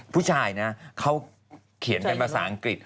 ผู้ชายนะเขาเขียนเป็นภาษาอังกฤษ